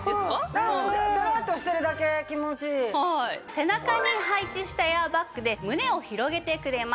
背中に配置したエアバッグで胸を広げてくれます。